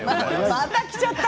また来ちゃった。